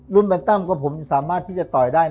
รุ่นแมนต้ำก็ผมสามารถที่จะต่อยได้นะ